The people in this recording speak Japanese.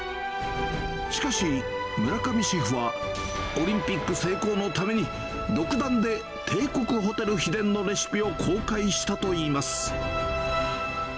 しかし、村上シェフは、オリンピック成功のために、独断で帝国ホテル秘伝のレシピを公開したといいます。